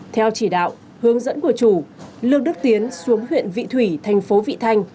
theo chỉ đạo hướng dẫn của chủ lương đức tiến xuống huyện vị thủy thành phố vị thanh